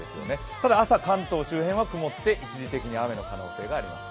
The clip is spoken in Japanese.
ただ、朝、関東周辺は曇って、一時的に雨の可能性があります。